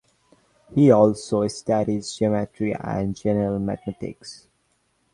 He also studied geometry and general mathematics.